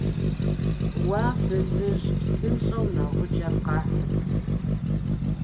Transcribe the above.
- Уа, фызыжь, псынщӀэу нэгъуджэр къэхьыт!